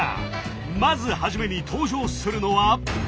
まず初めに登場するのは。